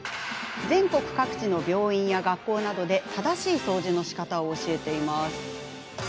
全国各地の病院や学校などで正しい掃除のしかたを教えています。